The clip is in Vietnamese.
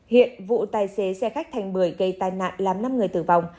hiện vụ tài xế xe khách thành bưởi gây tai nạn làm năm người tử vong